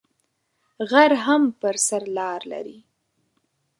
غر هم پر سر لار لری